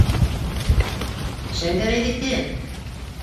Шәңгәрәйҙеке!